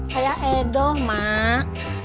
saya edoh mak